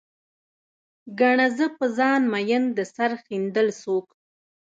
ګڼه، زه په ځان مين د سر ښندل څوک